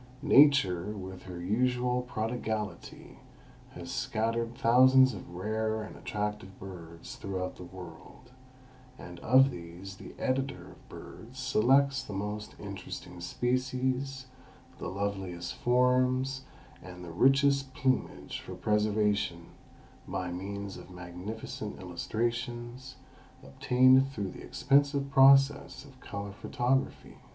Nature with her usual prodigality has scattered thousands of rare and attractive birds throughout the world, and of these the editor of BIRDS selects the most interesting species, the loveliest forms and the richest plumage for preservation by means of magnificent illustrations, obtained through the expensive process of color photography.